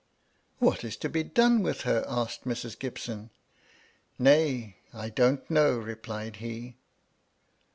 " What is to be done with her ?" asked Mrs. Gibson. "Nay, I don't know," replied he.